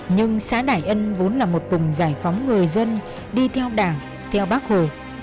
nhưng xã đại ân vốn là một vùng giải phóng người dân đi theo đảng theo bác hồ